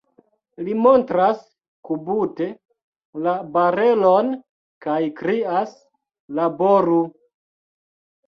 Li montras kubute la barelon kaj krias: Laboru!